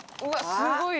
すごい量。